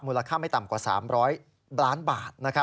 มูลค่าไม่ต่ำกว่า๓๐๐บาท